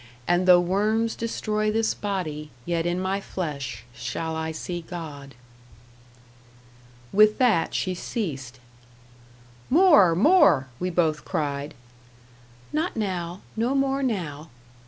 And though worms destroy this body, yet in my flesh shall I see God." With that she ceased. "More, more!" we both cried. "Not now no more now."